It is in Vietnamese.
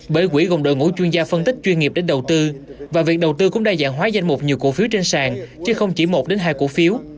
bởi quỹ gồm đội ngũ chuyên gia phân tích chuyên nghiệp đến đầu tư và việc đầu tư cũng đa dạng hóa danh mục nhiều cổ phiếu trên sàn chứ không chỉ một hai cổ phiếu